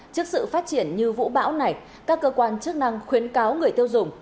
trước sự phát triển như vũ bão này các cơ quan chức năng khuyến cáo người tiêu dùng